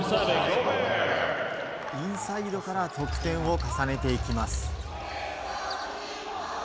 インサイドから得点を重ねていきます。